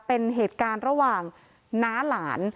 เป็นเหตุการณ์ระหว่างน้าหลาน